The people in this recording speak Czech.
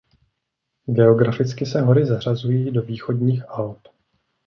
Geograficky se hory zařazují do Východních Alp.